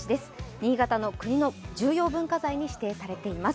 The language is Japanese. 新潟の国の重要文化財に指定されています。